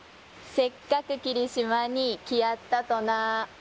「せっかく霧島に来やったとなー」